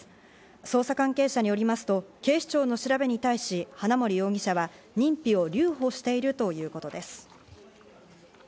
捜査関係者によりますと、警視庁の調べに対し花森容疑者は認否を留保しているということです。